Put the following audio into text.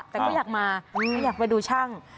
แต่ก็อยากมาอยากไปดูช่าง